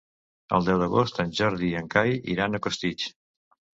El deu d'agost en Jordi i en Cai iran a Costitx.